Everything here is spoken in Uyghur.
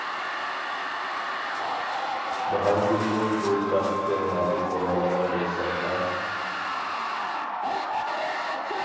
باھارگۈلمۇ بۇ بەختكە نائىل بولالىغان بولسا-ھە!